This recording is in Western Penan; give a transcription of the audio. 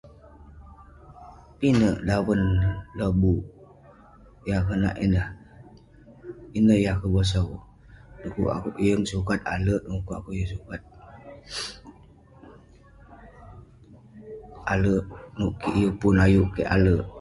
Pinek daven lobuk yah konak ineh. Ineh yah kebosau. Dekuk akouk yeng sukat ale, dekuk akouk yeng sukat- ale, kuk kik yeng pun ayuk kek ale.